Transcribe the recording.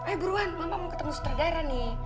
eh buruan mama mau ketemu sutradara nih